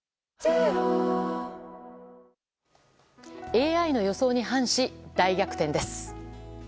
ＡＩの予想に反し大逆転です。